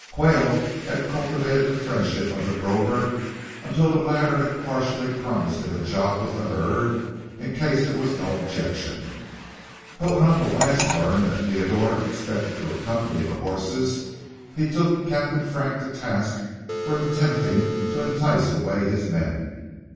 Quayle had cultivated the friendship of the drover until the latter had partially promised him a job with the herd, in case there was no objection. But when Uncle Lance learned that Theodore expected to accompany the horses, he took Captain Frank to task for attempting to entice away his men.